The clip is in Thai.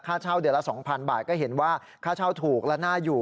ค่าเช่าเดือนละ๒๐๐บาทก็เห็นว่าค่าเช่าถูกและน่าอยู่